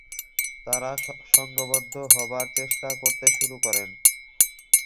তাঁরা সংঘবদ্ধ হবার চেষ্টা করতে শুরু করেন।